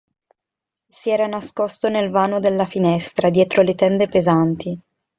Si era nascosto nel vano della finestra, dietro le tende pesanti.